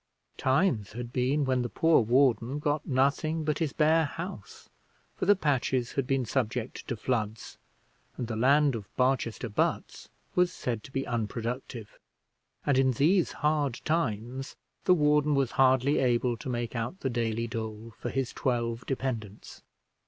Times had been when the poor warden got nothing but his bare house, for the patches had been subject to floods, and the land of Barchester butts was said to be unproductive; and in these hard times the warden was hardly able to make out the daily dole for his twelve dependents.